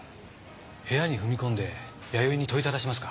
部屋に踏み込んで弥生に問いただしますか？